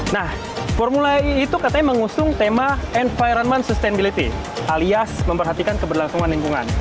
nah formula e itu katanya mengusung tema environment sustainability alias memperhatikan keberlangsungan lingkungan